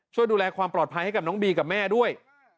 ช่วยดูแลความปลอดภัยให้กับน้องบีกับแม่ด้วย